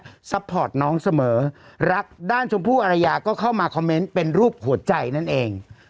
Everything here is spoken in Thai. ก็ต้องซ่อมภูติน้องเสมอรักด้านจมผู้อรรยาก็เข้ามาคอมเมนต์เป็นรูปหัวใจเนี่ย